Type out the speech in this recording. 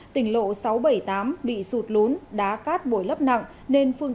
tỉnh lộ sáu trăm bảy mươi tám bị sụt lún đá cát bổi lấp nặng